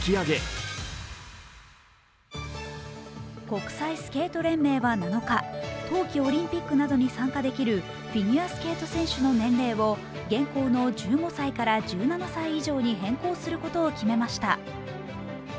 国際スケート連盟は７日、冬季オリンピックなどに参加できるフィギュアスケート選手の年齢を現行の１５歳から１７歳以上に変更することを決めました。